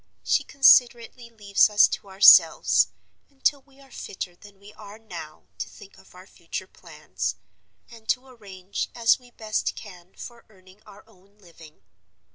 She considerately leaves us to ourselves, until we are fitter than we are now to think of our future plans, and to arrange as we best can for earning our own living.